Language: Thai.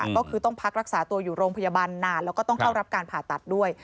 ก็คือต้องพักรักษาตัวอยู่โรงพยาบาลนานแล้วก็ต้องเข้ารับการผ่าตัดด้วย